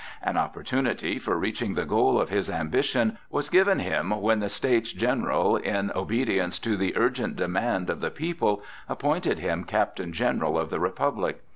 An opportunity for reaching the goal of his ambition was given him when the States General, in obedience to the urgent demand of the people, appointed him Captain General of the Republic.